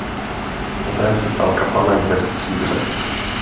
Poté se stal kaplanem ve Stříbře.